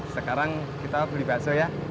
sekarang kita beli bakso ya